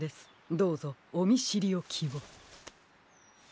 どうぞおみしりおきを。